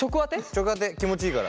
直当て気持ちいいから。